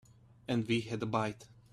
And we had a bite.